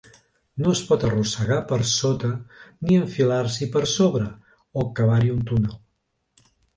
No es pot arrossegar per sota ni enfilar-s'hi per sobre, o cavar-hi un túnel.